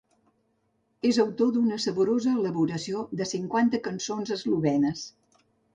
És autor d'una saborosa elaboració de cinquanta cançons eslovenes.